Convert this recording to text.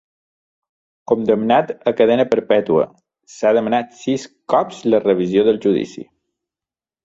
Condemnat a cadena perpètua, s'ha demanat sis cops la revisió del judici.